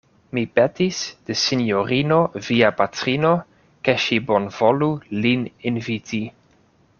Mi petis de sinjorino via patrino, ke ŝi bonvolu lin inviti.